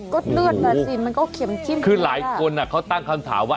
ก็เลือดมันก็เข็มขึ้นคือหลายคนเขาตั้งคำถามว่า